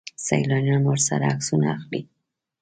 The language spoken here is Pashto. سیلانیان ورسره عکسونه اخلي.